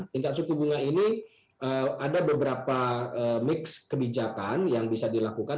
tingkat suku bunga ini ada beberapa mix kebijakan yang bisa dilakukan